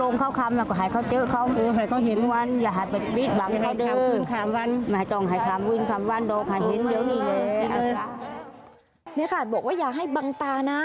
เนื้อขาดบอกว่าอย่าให้บังตานะ